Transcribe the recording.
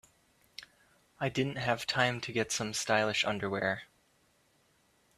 I didn't have time to get some stylish underwear.